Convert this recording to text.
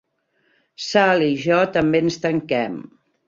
Sal i jo també ens tanquem.